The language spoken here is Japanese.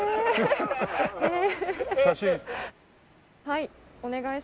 はい。